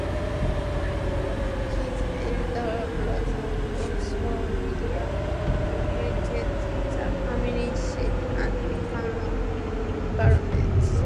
His elder brother, also William inherited the family seat and became a baronet.